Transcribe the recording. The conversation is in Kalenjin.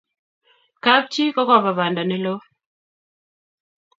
kab chi ko kakoba banda ne loo